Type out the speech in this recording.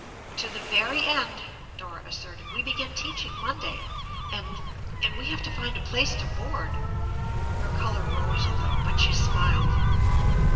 "To the very end," Dora asserted. "We begin teaching Monday, and and we have to find a place to board." Her color rose a little, but she smiled.